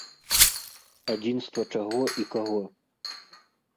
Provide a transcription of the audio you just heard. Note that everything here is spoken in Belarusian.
Адзінства чаго і каго?